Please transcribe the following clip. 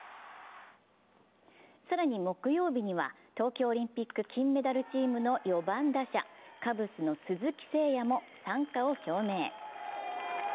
更に木曜日には東京オリンピック金メダルチームの４番打者カブスの鈴木誠也も参加を表明。